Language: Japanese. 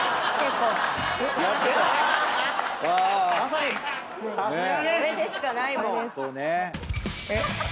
それでしかないもん。